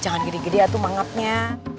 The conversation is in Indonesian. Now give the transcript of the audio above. jangan gede gede ya tuh mangapnya